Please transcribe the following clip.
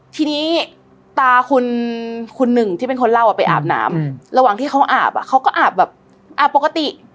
ทีนี้ตาคุณหนึ่งที่เป็นคนเล่าไปอาบน้ำระหว่างที่เขาอาบเขาก็อาบแบบอาบปกติ